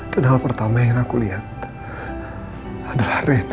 dan hal pertama yang ingin aku lihat adalah rena